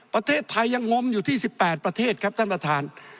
ประเทศไทยยังงมอยู่ที่๑๘ประเทศครับท่านประธาน